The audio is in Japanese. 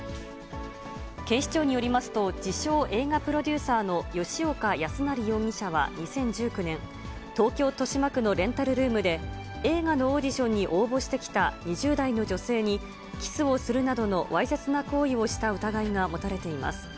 警視庁によりますと、自称映画プロデューサーの吉岡康成容疑者は２０１９年、東京・豊島区のレンタルルームで、映画のオーディションに応募してきた２０代の女性に、キスをするなどのわいせつな行為をした疑いが持たれています。